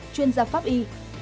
chuyên gia pháp y